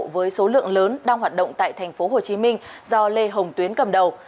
với số lượng lớn đang hoạt động tại tp hcm do lê hồng tuyến cầm đầu